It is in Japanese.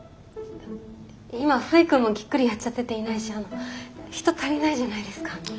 今フイくんもギックリやっちゃってていないしあの人足りないじゃないですか。